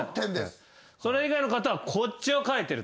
それ以外の方はこっちを書いてると。